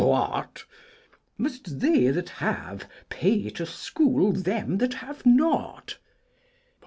What? Must they that have, pay to school them that have not?